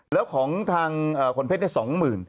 แล้วของทางคนเพชรได้๒๐๐๐๐บาท